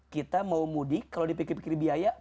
kita mau mudik kalau dipercaya itu pasti banyak alasan